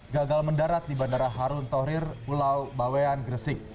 gagal mendarat di bandara harun torir pulau bawean gresik